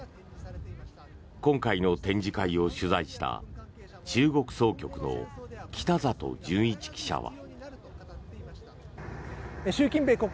今回の展示会を取材した中国総局の北里純一記者は。